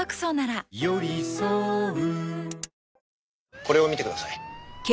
これを見てください。